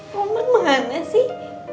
roman mana sih